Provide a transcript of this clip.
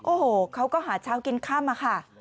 โอ้โหเขาก็หาเช้ากินข้ามมาค่ะ